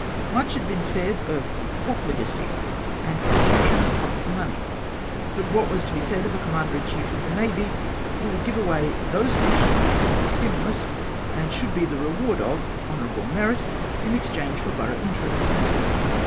INIuch had been said of profli gacy and profusion of public money. But what was to be said of a Commander in chief of the Navy, who would give away those commissions Avhich formed the stimulus, and should be the reward of honourable merit, in exchange for borough interests